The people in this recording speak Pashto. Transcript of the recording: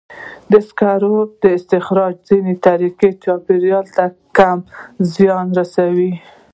د سکرو د استخراج ځینې طریقې چاپېریال ته کم زیان رسوي.